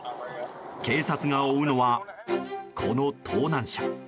警察が追うのは、この盗難車。